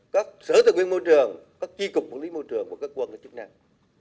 các sở tự nguyên môi trường các chi cục quản lý môi trường của các quân là chức năng